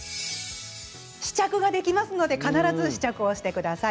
試着ができますので必ず試着してください。